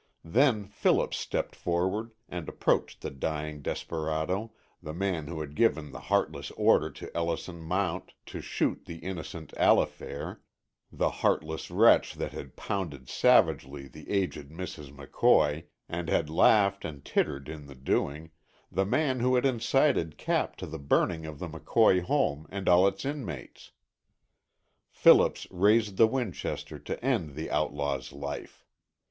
Then Phillips stepped forward and approached the dying desperado, the man who had given the heartless order to Ellison Mount to shoot the innocent Allifair, the heartless wretch that had pounded savagely the aged Mrs. McCoy and had laughed and tittered in the doing, the man who had incited Cap to the burning of the McCoy home and of all its inmates. Phillips raised the Winchester to end the outlaw's life.